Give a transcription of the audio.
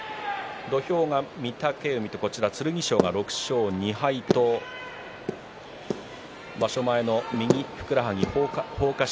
土俵が御嶽海、剣翔６勝２敗、場所前の右ふくらはぎほうか織